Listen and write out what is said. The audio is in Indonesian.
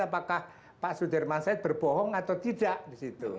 apakah pak sudirman said berbohong atau tidak disitu